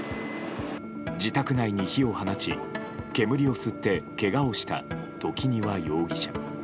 自宅内に火を放ち煙を吸ってけがをした時庭容疑者。